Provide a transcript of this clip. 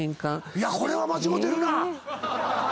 いやこれは間違うてるな！